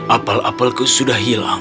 apel apelku sudah hilang